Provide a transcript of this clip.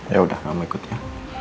yaudah gak mau ikut ya